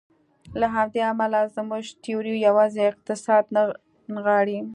له همدې امله زموږ تیوري یوازې اقتصاد نه نغاړي.